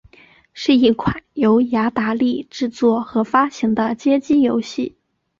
是一款由雅达利制作和发行的街机游戏。